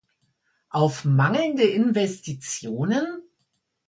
Auf mangelnde Investitionen?